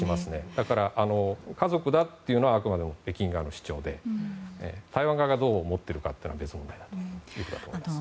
だから、家族だというのはあくまでも北京側の主張で台湾側がどう思っているかは別問題だと思います。